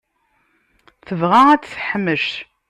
Tebɣa ad t-teḥmec.